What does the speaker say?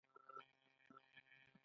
بوټونه د ډالۍ په توګه هم ورکول کېږي.